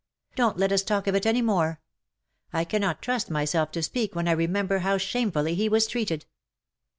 Don't let us talk of it any more. I cannot trust myself to speak when I remember how shamefully he was treated."